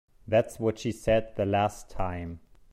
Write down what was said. That's what she said the last time.